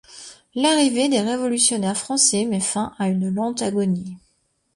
L’arrivée des révolutionnaires français met fin à une lente agonie.